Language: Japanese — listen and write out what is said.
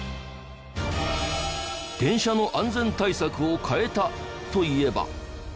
電車の安全対策を変えたといえば。